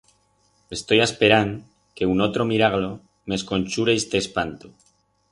Estoi asperand que unotro miraglo m'esconchure iste espanto.